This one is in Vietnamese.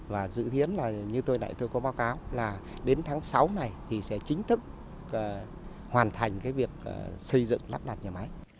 và dự thiến là như tôi đã có báo cáo là đến tháng sáu này thì sẽ chính thức hoàn thành việc xây dựng lắp đặt nhà máy